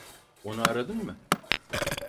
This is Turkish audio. Onu aradın mı?